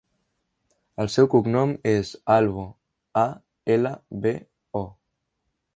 El seu cognom és Albo: a, ela, be, o.